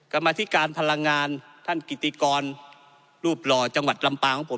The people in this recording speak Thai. กลับมาที่การพลังงานท่านกิติกรรมรูปรอจังหวัดลำปลาของผม